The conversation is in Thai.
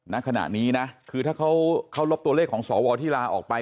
ณขณะนี้นะคือถ้าเขาลบตัวเลขของสวที่ลาออกไป